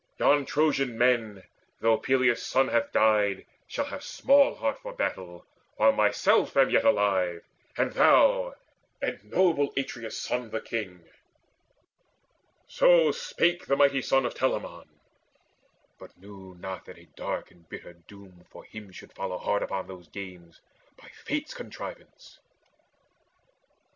Yon Trojan men, Though Peleus' son hath died, shall have small heart For battle, while myself am yet alive, And thou, and noble Atreus' son, the king." So spake the mighty son of Telamon, But knew not that a dark and bitter doom For him should follow hard upon those games By Fate's contrivance.